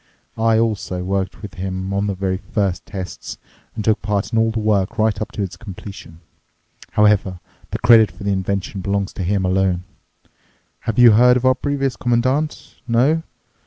I also worked with him on the very first tests and took part in all the work right up to its completion. However, the credit for the invention belongs to him alone. Have you heard of our previous Commandant? No?